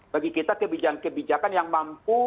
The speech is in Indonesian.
bagi kita kebijakan kebijakan yang mampu